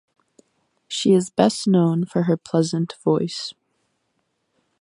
She is best known for her pleasant voice.